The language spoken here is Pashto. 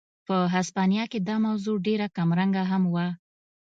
په هسپانیا کې دا موضوع ډېره کمرنګه هم وه.